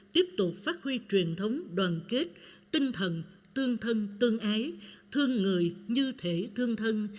tiếp tục phát huy truyền thống đoàn kết tinh thần tương thân tương ái thương người như thể thương thân